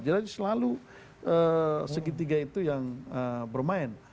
jadi selalu segitiga itu yang bermain